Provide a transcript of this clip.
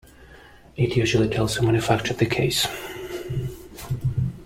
It usually tells who manufactured the case.